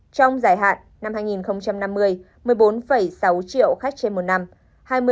trong dài hạn năm hai nghìn năm mươi một mươi bốn sáu triệu khách trên một năm